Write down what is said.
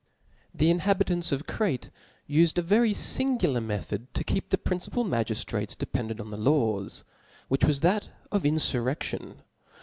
'the inhabitants. of Crete ufed a very Angular method, to keep the principal magiftrates dependent on the laws j which was that of InfurreSlion.